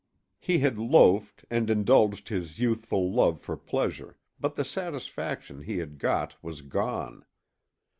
He had loafed and indulged his youthful love for pleasure, but the satisfaction he had got was gone.